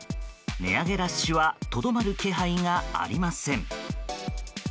値上げラッシュはとどまる気配がありません。